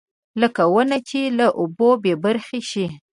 لکه ونه چې له اوبو بېبرخې شي.